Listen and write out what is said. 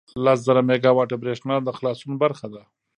لس زره میګاوټه بریښنا د خلاصون برخه ده.